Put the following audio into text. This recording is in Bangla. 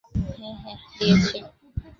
হ্যাঁ, হ্যাঁ, দিয়েছি।